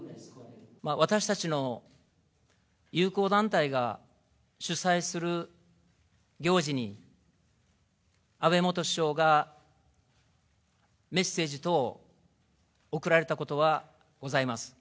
私たちの友好団体が主催する行事に安倍元首相がメッセージ等を送られたことはございます。